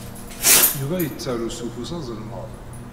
Yuba yettaru s ufus azelmaḍ.